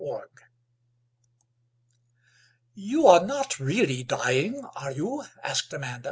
LAURA "You are not really dying, are you?" asked Amanda.